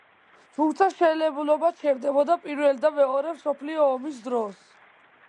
თუმცა მშენებლობა ჩერდებოდა პირველ და მეორე მსოფლიო ომის დროს.